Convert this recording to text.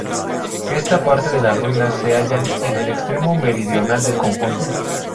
Esta parte de las ruinas se hallan en el extremo meridional del conjunto.